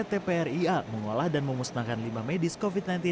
dari penghasil sana dikemas